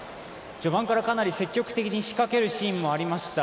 序盤からかなり積極的に仕掛けるシーンもありました。